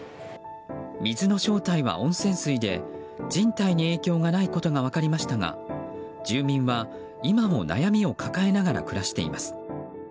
水の正体は温泉水で人体に影響がないことが分かりましたが住民は今も悩みを抱えながら暮らしています。